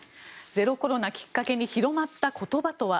ゼロコロナきっかけに広まった言葉とは。